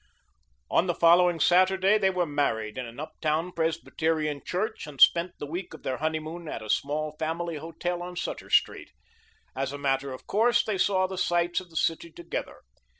On the following Saturday they were married in an uptown Presbyterian church, and spent the week of their honeymoon at a small, family hotel on Sutter Street. As a matter of course, they saw the sights of the city together.